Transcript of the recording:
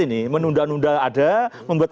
ini menunda nunda ada membuat